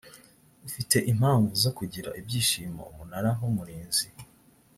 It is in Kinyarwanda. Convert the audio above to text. ufite impamvu zo kugira ibyishimo umunara w umurinzi